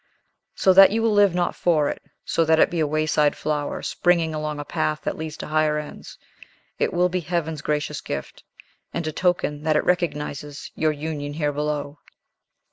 So that you live not for it, so that it be a wayside flower, springing along a path that leads to higher ends, it will be Heaven's gracious gift, and a token that it recognizes your union here below."